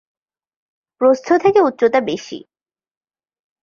প্রস্থ থেকে উচ্চতা বেশি।